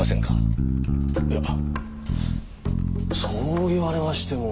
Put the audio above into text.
いやそう言われましても。